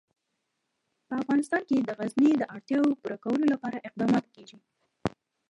په افغانستان کې د غزني د اړتیاوو پوره کولو لپاره اقدامات کېږي.